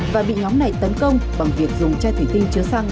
và bị nhóm này tấn công bằng việc dùng chai thủy tinh chứa xăng